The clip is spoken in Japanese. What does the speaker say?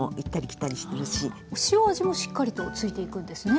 塩味もしっかりと付いていくんですね？